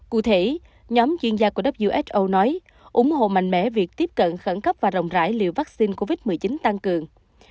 cụ thể nhóm chuyên gia của wso nói ủng hộ mạnh mẽ việc tiếp cận khẩn cấp và rộng rãi liều vaccine covid một mươi chín tăng cường